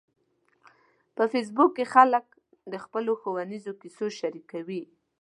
په فېسبوک کې خلک د خپلو ښوونیزو کیسو شریکوي